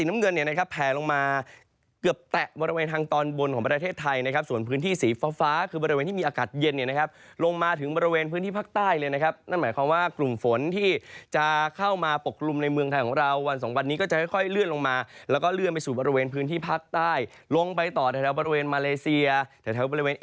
มาเกือบแตะบริเวณทางตอนบนของประเทศไทยนะครับส่วนพื้นที่สีฟ้าคือบริเวณที่มีอากาศเย็นเนี่ยนะครับลงมาถึงบริเวณพื้นที่ภาคใต้เลยนะครับนั่นหมายความว่ากลุ่มฝนที่จะเข้ามาปกลุ่มในเมืองไทยของเราวัน๒วันนี้ก็จะค่อยเลื่อนลงมาแล้วก็เลื่อนไปสู่บริเวณพื้นที่ภาคใต้ลงไปต่อแถว